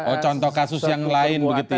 oh contoh kasus yang lain begitu ya